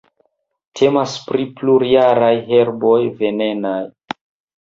Temas pri plurjaraj herboj venenaj.